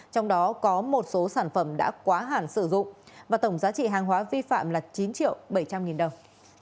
trong đó có một số sản phẩm đã quá hẳn sử dụng và tổng giá trị hàng hóa vi phạm là chín triệu bảy trăm linh nghìn đồng